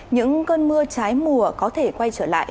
những cơn mưa trái mùa có thể quay trở lại